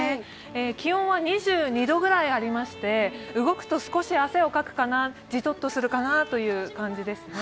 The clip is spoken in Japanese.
気温は２２度ぐらいありまして、動くと少し汗をかくかな、じとっとするかなという感じです。